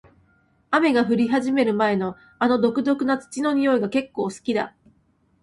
雨が降り始める前の、あの独特な土の匂いが結構好きだ。